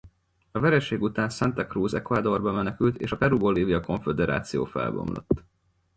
A vereség után Santa Cruz Ecuadorba menekült és a Peru-Bolívia Konföderáció felbomlott.